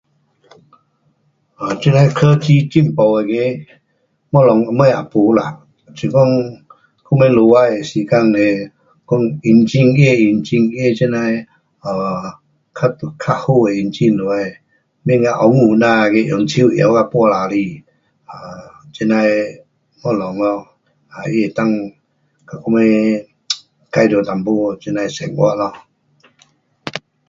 呃，这样科技进步那个东西什么也没啦，是讲我们落尾的时间嘞，讲引擎，它的引擎这样的，啊，较，较好的引擎下，免讲温故那样的用手摇到半呐死。啊，这样的东西咯，它能够跟我们解决一点这样的生活咯。